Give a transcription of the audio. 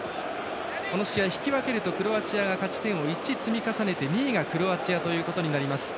この試合、引き分けるとクロアチアが勝ち点１を積み重ね２位がクロアチアということになります。